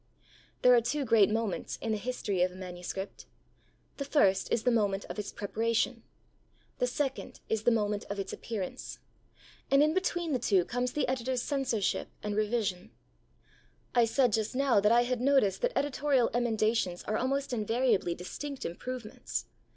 There are two great moments in the history of a manuscript. The first is the moment of its preparation; the second is the moment of its appearance. And in between the two comes the editor's censorship and revision. I said just now that I had noticed that editorial emendations are almost invariably distinct improvements.